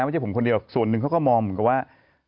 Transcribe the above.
ไม่ใช่ผมคนเดียวส่วนหนึ่งเขาก็มองเหมือนกับว่า